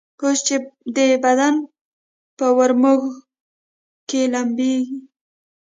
اوس چي دي بدن په وږمو کي لمبیږي